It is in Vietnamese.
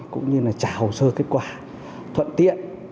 cũng như là trả hồ sơ kết quả thuận tiện